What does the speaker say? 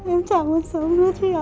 em chào con sớm nữa chị à